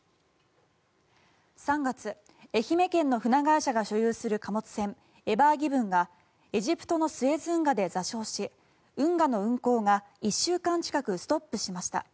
３月、愛媛県の船会社が所有する貨物船「エバーギブン」がエジプトのスエズ運河で座礁し運河の運航が１週間近くストップしました。